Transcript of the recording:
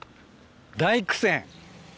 大苦戦。